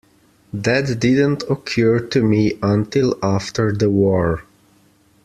That didn't occur to me until after the war.